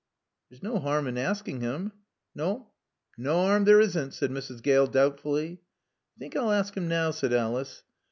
"There's no harm in asking him." "Naw. Naw 'aarm there isn't," said Mrs. Gale doubtfully. "I think I'll ask him now," said Alice.